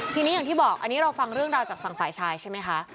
ทีนี้อย่างที่บอกอันนี้เราฟังเรื่องราวจากฝั่งฝ่ายชายใช่ไหมคะ